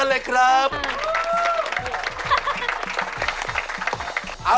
ดีใจมาก